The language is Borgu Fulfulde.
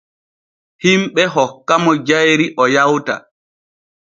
Himɓe hokkamo jayri o yawta.